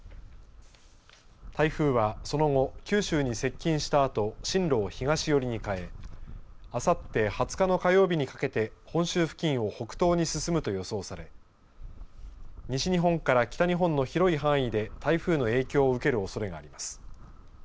台風はその後九州に接近したあと進路を東寄りに変えあさって２０日の火曜日にかけて本州付近を北東に進むと予想され西日本から北日本の広い範囲で台風の影響を受けるおそれがあります。